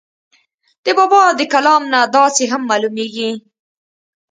د بابا دَکلام نه داسې هم معلوميږي